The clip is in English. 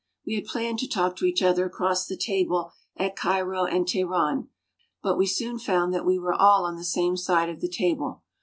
We had planned to talk to each other across the table at Cairo and Teheran; but we soon found that we were all on the same side of the table.